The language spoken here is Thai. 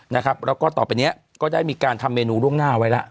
แล้วก็ต่อไปเนี้ยก็ได้มีการทำเมนูล่วงหน้าไว้แล้ว